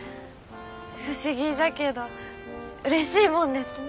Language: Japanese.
不思議じゃけどうれしいもんですね。